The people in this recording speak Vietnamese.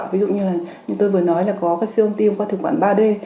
ví dụ như tôi vừa nói là có các siêu âm tim qua thực quản ba d